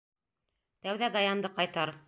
Тәүҙә Даянды ҡайтар.